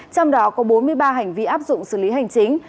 trong đó có bốn mươi ba hành vi áp dụng xử lý hành chính